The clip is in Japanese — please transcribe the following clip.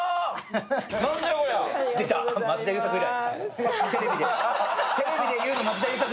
出た、松田優作以来！